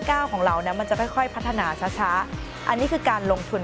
ก้าวของเรานะมันจะค่อยพัฒนาช้าอันนี้คือการลงทุน